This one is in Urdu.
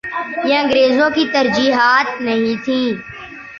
یہ انگریزوں کی ترجیحات نہیں تھیں۔